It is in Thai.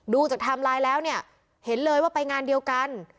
ดูจากไทม์ไลน์แล้วเนี่ยเห็นเลยว่าไปงานเดียวกัน